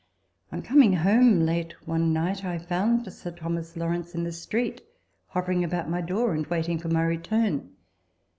On coming home late one night, I found Sir Thomas Lawrence in the street, hovering about my door, and waiting for my return.